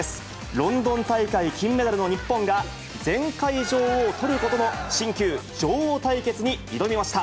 ロンドン大会金メダルの日本が、前回女王のトルコとの新旧女王対決に挑みました。